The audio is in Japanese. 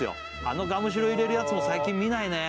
あのガムシロ入れるやつも最近見ないね